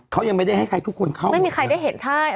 เขายังไม่ได้ให้ทุกคนเข้า